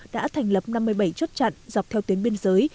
đã thành lập năm mươi bảy chốt chặn dọc theo tuyến biên giới